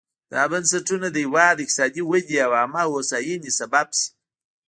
دا بنسټونه د هېواد اقتصادي ودې او عامه هوساینې سبب شي.